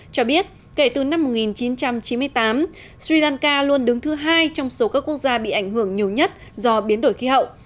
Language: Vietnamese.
cho biết kể từ năm một nghìn chín trăm chín mươi tám sri lanka luôn đứng thứ hai trong số các quốc gia bị ảnh hưởng nhiều nhất do biến đổi khí hậu